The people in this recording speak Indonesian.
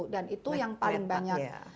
dan itu yang paling banyak